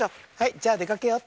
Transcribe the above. じゃあでかけよう。